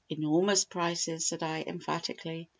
"Enormous prices," said I emphatically.